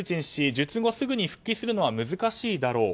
術後すぐに復帰するのは難しいだろう。